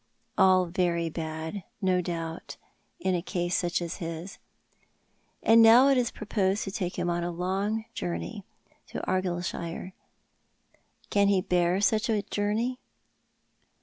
" All very bad, no doubt, in such a case as his." " And now it is proj^osed to take him a long journey — to Argyllshire. Can he bear such a journey